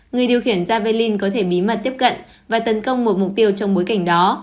người điều khiển jalin có thể bí mật tiếp cận và tấn công một mục tiêu trong bối cảnh đó